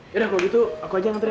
yaudah kalo gitu aku aja nganterin